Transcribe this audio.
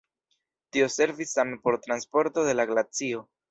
Tio servis same por transporto de la glacio.